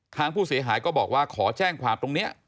ทางผู้เสียหายก็บอกว่าขอแจ้งความตรงนี้